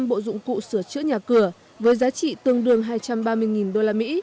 ba trăm linh bộ dụng cụ sửa chữa nhà cửa với giá trị tương đương hai trăm ba mươi usd